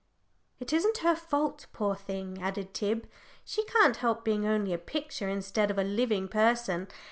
"It isn't her fault, poor thing," added Tib, "she can't help being only a picture instead of a living person.